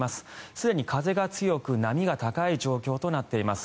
すでに風が強く波が高い状況となっています。